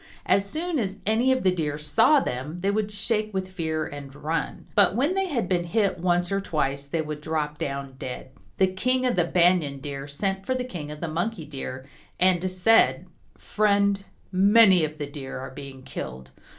As soon as any of the Deer saw them they would shake with fear and run. But when they had been hit once or twice they would drop down dead. The King of the Banyan Deer sent for the King of the Monkey Deer and said, "Friend, many of the Deer are being killed.